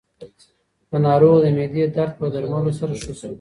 د ناروغ د معدې درد په درملو سره ښه شو.